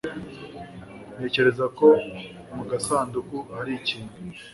Ntekereza ko mu gasanduku hari ikintu.